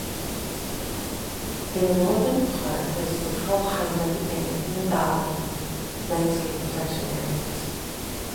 In the northern part is the Trollheimen and Innerdalen landscape protection areas.